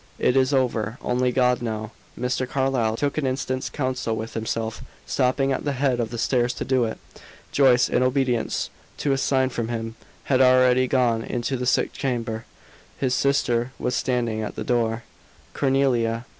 "It is over. Only God now." Mr. Carlyle took an instant's counsel with himself, stopping at the head of the stairs to do it. Joyce, in obedience to a sign from him, had already gone into the sick chamber: his sister was standing at the door. "Cornelia."